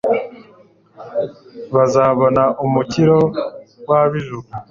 bazabona umukiro w'ab'ijuru